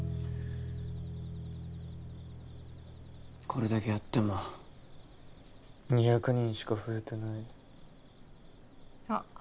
これだけやっても２００人しか増えてないあっ